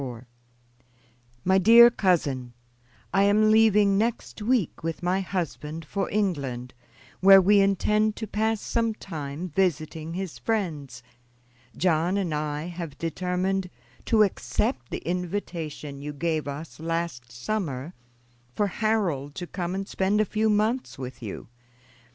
"MY DEAR COUSIN: I am leaving next week with my husband for England, where we intend to pass some time visiting his friends. John and I have determined to accept the invitation you gave us last summer for Harold to come and spend a few months with you.